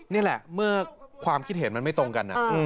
นี่แหละเมื่อความคิดเห็นมันไม่ตรงกัน